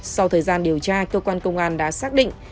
sau thời gian điều tra cơ quan công an đã xác định